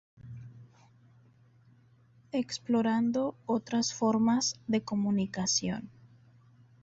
Explorando otras formas de comunicación".